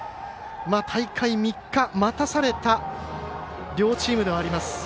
大会３日待たされた両チームではあります。